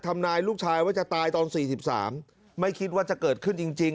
ทำนายลูกชายว่าจะตายตอน๔๓ไม่คิดว่าจะเกิดขึ้นจริงจริง